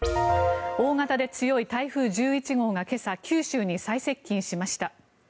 大型で強い台風１１号が今朝、九州に最接近しました。